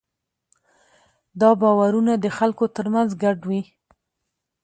دا باورونه د خلکو ترمنځ ګډ وي.